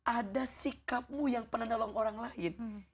ada sikapmu yang pernah nolong orang lain